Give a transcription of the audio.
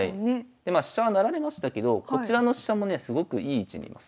でまあ飛車は成られましたけどこちらの飛車もねすごくいい位置にいます。